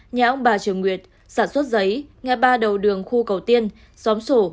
nhà ông bà trường nguyệt sản xuất giấy nghe ba đầu đường khu cầu tiên xóm sổ